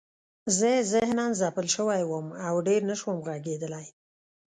زه ذهناً ځپل شوی وم او ډېر نشوم غږېدلی